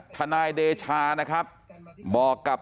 ทนายเดชานะครับบอกกับ